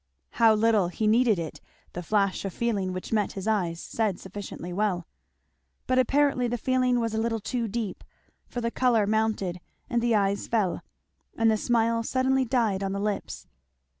How little he needed it the flash of feeling which met his eyes said sufficiently well. But apparently the feeling was a little too deep, for the colour mounted and the eyes fell, and the smile suddenly died on the lips.